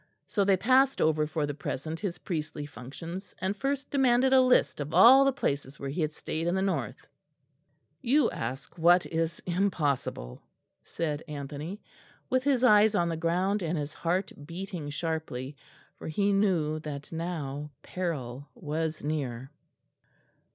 So they passed over for the present his priestly functions and first demanded a list of all the places where he had stayed in the north. "You ask what is impossible," said Anthony, with his eyes on the ground and his heart beating sharply, for he knew that now peril was near.